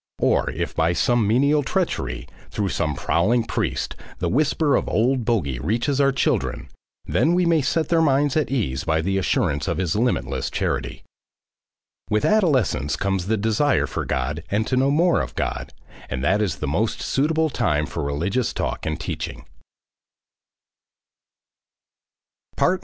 Or if by some menial treachery, through some prowling priest, the whisper of Old Bogey reaches our children, then we may set their minds at ease by the assurance of his limitless charity. ... With adolescence comes the desire for God and to know more of God, and that is the most suitable time for religious talk and teaching.